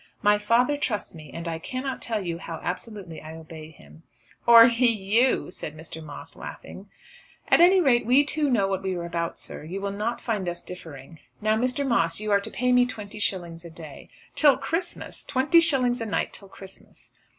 My father trusts me, and I cannot tell you how absolutely I obey him." "Or he you," said Mr. Moss laughing. "At any rate we two know what we are about, sir. You will not find us differing. Now Mr. Moss, you are to pay me twenty shillings a day." "Till Christmas; twenty shillings a night till Christmas."